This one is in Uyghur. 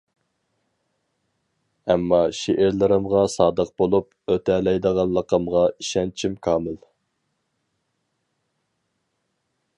ئەمما شېئىرلىرىمغا سادىق بولۇپ ئۆتەلەيدىغانلىقىمغا ئىشەنچىم كامىل.